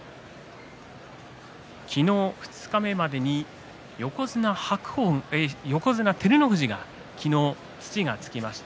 昨日、二日目までに横綱照ノ富士が昨日、土がつきました。